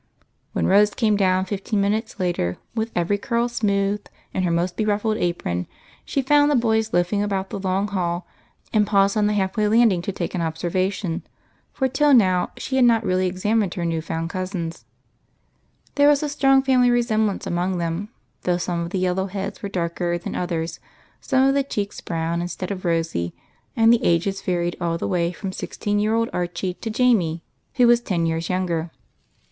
When Rose came down, fifteen minutes later, with every curl smoothed and her most beruffled apron on, she found the boys loafing about the long hall, and paused on the half way landing to take an observation, for till now she had not really examined her new found cousins. THE CLAN. 19 There was a strong family resemblance among them, though some of the yellow heads were darker than others, some of the cheeks brown instead of rosy, and the ages varied all the way from sixteen year old Archie to Jamie, who was ten years younger.